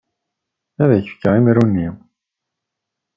Ad ak-fkeɣ imru-nni.